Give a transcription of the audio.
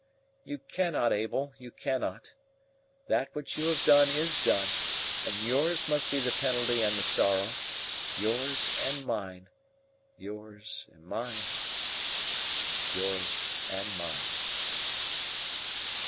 You cannot, Abel, you cannot. That which you have done is done, and yours must be the penalty and the sorrow yours and mine yours and mine yours and mine."